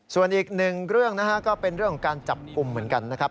ส่วนอีกหนึ่งเรื่องนะฮะก็เป็นเรื่องของการจับกลุ่มเหมือนกันนะครับ